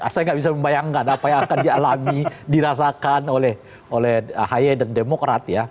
saya nggak bisa membayangkan apa yang akan dialami dirasakan oleh ahy dan demokrat ya